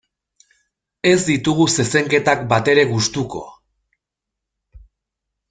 Ez ditugu zezenketak batere gustuko.